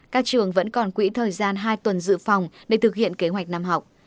các trường vẫn còn quỹ thời gian hai tuần dự phòng để thực hiện kế hoạch năm học